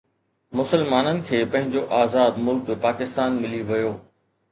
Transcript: مسلمانن کي پنهنجو آزاد ملڪ پاڪستان ملي ويو